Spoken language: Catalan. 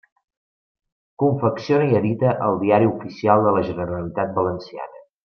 Confecciona i edita el Diari Oficial de la Generalitat Valenciana.